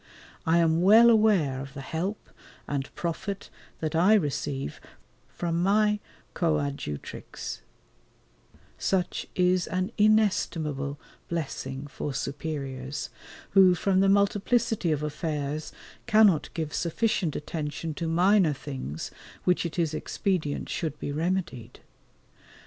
I am well aware of the help and profit that I receive from my coadjutrix; such is an inestimable blessing for superiors, who from the multiplicity of affairs cannot give sufficient attention to minor things which it is expedient should be remedied.